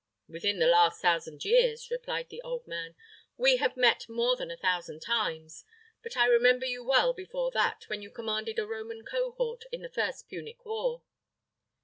"Within the last thousand years," replied the old man, "we have met more than a thousand times; but I remember you well before that, when you commanded a Roman cohort in the first Punic war."